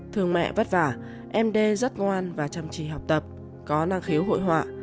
thường mẹ vất vả em đê rất ngoan và chăm chỉ học tập có năng khiếu hội họa